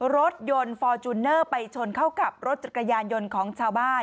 รถยนต์ฟอร์จูเนอร์ไปชนเข้ากับรถจักรยานยนต์ของชาวบ้าน